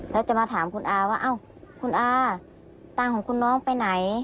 แล้วจะมาถามคุณอาว่าคุณอาตังค์ของคุณน้องไปไหน